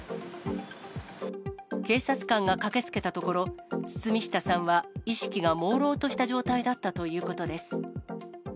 警察官が駆けつけたところ、堤下さんは意識がもうろうとした状態だったということです。